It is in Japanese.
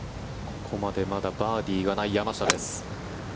ここまでバーディーがない山下です。